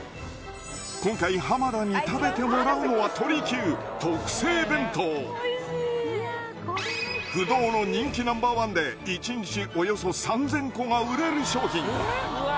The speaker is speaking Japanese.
今回濱田に食べてもらうのは不動の人気ナンバーワンで１日およそ３０００個が売れる商品